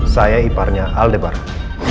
saya iparnya aldebaran